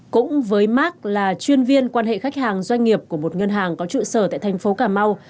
cũng với mark là chuyên viên quan hệ khách hàng doanh nghiệp của một ngân hàng có trụ sở tại thành phố cà mau